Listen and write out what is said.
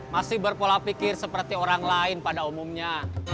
masih berpola pikir seperti orang lain pada umumnya